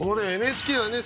ＮＨＫはね